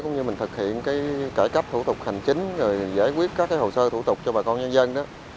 cũng như mình thực hiện cải cấp thủ tục hành chính giải quyết các hồ sơ thủ tục cho bà con nhân dân